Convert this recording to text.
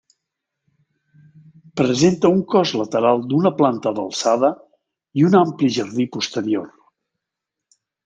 Presenta un cos lateral d'una planta d'alçada, i un ampli jardí posterior.